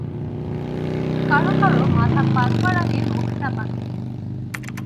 কারো কারো মাথা পাকবার আগে মুখটা পাকে।